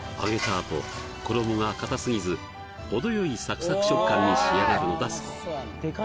あと衣がかたすぎず程よいサクサク食感に仕上がるのだそう